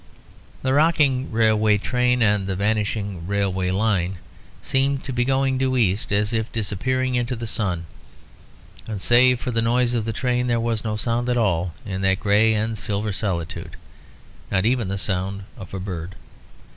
The rocking railway train and the vanishing railway line seemed to be going due east, as if disappearing into the sun; and save for the noise of the train there was no sound in all that grey and silver solitude; not even the sound of a bird.